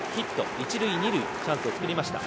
一塁二塁、チャンスを作りました。